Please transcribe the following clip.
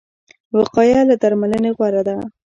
وقایه له درملنې غوره ده